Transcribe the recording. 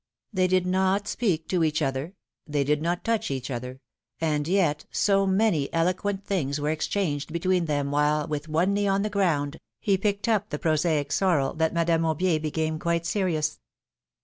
They did not speak to each other — they did not touch each other ; and yet so many eloquent things were exchanged between them, while, with one knee on the ground, he picked up the prosaic sorrel, that Madame Aubier became quite serious.